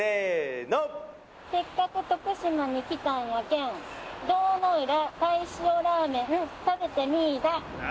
「せっかく徳島に来たんやけん」「堂の浦鯛塩ラーメン食べてみいだ！」